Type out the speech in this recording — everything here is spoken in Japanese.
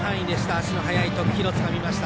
足の速い徳弘、つかみました。